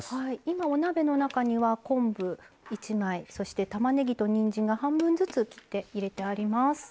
お鍋の中には昆布１枚そして、たまねぎと、にんじんが半分ずつに切って入れてあります。